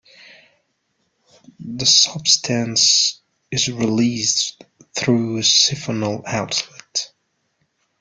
The substance is released through a syphonal outlet.